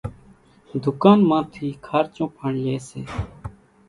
ڌُوڪان مان ٿي کارچون پڻ لئي سي،